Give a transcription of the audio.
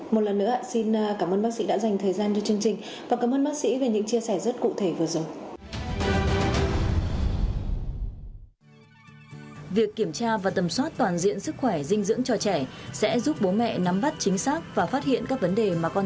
một lần nữa xin cảm ơn bác sĩ đã dành thời gian cho chương trình và cảm ơn bác sĩ về những chia sẻ rất cụ thể vừa rồi